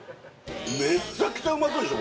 めちゃくちゃうまそうでしょ